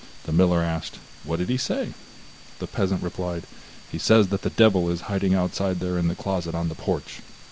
The miller asked: 'What did he say?' The peasant replied: 'He says that the Devil is hiding outside there in the closet on the porch.